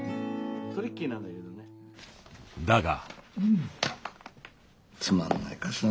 だが。